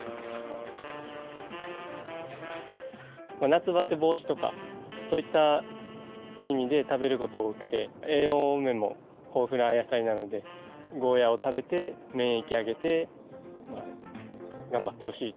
夏バテ防止とかそういった意味で食べること多くて栄養面も豊富な野菜なのでゴーヤーを食べて免疫を上げて頑張ってほしい。